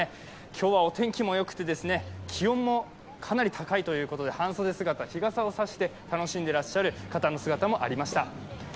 今日はお天気もよくて気温もかなり高いということで半袖姿、日傘を差して楽しんでらっしゃる方もいました。